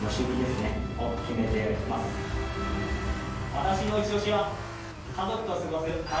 私のいちオシは家族と過ごす科学